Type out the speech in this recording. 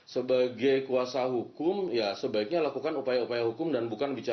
sebagai kuasa hukum ya sebaiknya lakukan upaya upaya hukum dan bukan bicara